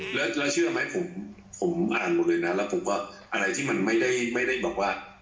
แล้วเชื่อไหมผมอ่านหมดเลยนะแล้วผมก็อะไรที่มันไม่ได้บอกว่า